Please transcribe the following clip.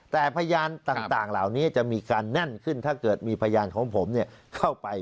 แต่พยานต่างเหล่านี้จะมีการแน่นขึ้นถ้าเกิดมีพยานของผมเข้าไป